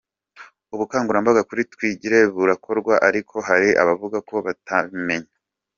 Ubukangurambaga kuri Twigire burakorwa, ariko hari abavuga ko batabimenya.